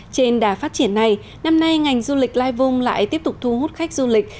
trên đà phát triển này năm nay ngành du lịch lai vùng lại tiếp tục thu hút khách du lịch